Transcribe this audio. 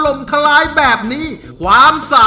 น้องไมโครโฟนจากทีมมังกรจิ๋วเจ้าพญา